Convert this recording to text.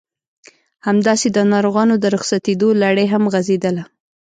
همداسې د ناروغانو د رخصتېدو لړۍ هم غزېدله.